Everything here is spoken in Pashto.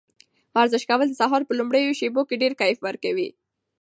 ورزش کول د سهار په لومړیو شېبو کې ډېر کیف ورکوي.